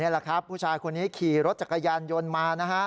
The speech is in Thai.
แหละครับผู้ชายคนนี้ขี่รถจักรยานยนต์มานะฮะ